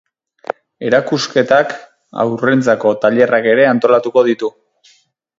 Erakusketak haurrentzako tailerrak ere antolatuko ditu.